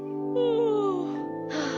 ああ！